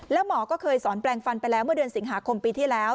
แล้วหมอก็เคยสอนแปลงฟันไปแล้วเมื่อเดือนสิงหาคมปีที่แล้ว